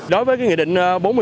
đối với nghị định bốn mươi sáu